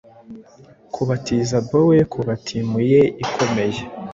Kubatiza boe kubatiimu ye ikomeye